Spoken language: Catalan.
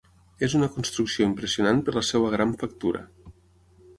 És una construcció impressionant per la seva gran factura.